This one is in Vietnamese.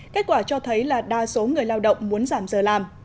kết quả cho thấy là đa số người lao động muốn giảm giờ làm